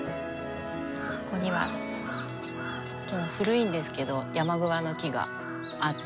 ここには古いんですけど山桑の木があって。